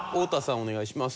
お願いします。